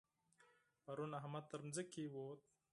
پرون احمد تر ځمکې ووت.